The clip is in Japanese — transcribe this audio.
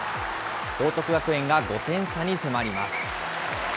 報徳学園が５点差に迫ります。